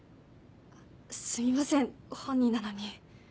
すいません本人なのに。